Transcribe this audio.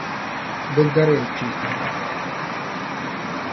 Di gariya kpe.